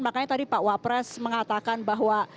makanya tadi pak wapres mengatakan bahwa